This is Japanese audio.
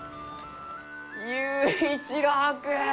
佑一郎君！